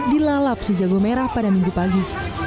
dilalap sejago merah pada minggu pagi